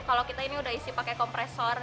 kalau kita ini udah isi pakai kompresor